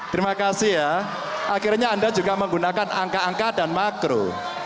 terima kasih ya akhirnya anda juga menggunakan angka angka dan makro